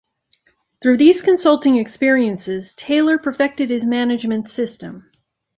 Through these consulting experiences, Taylor perfected his management system.